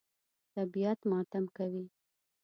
طبیعت ماتم کوي.